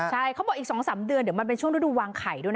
ใช่เขาบอกอีก๒๓เดือนเดี๋ยวมันเป็นช่วงฤดูวางไข่ด้วยนะ